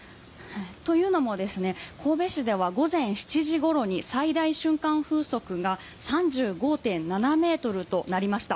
というのも神戸市では午前７時ごろに最大瞬間風速が３５．７ｍとなりました。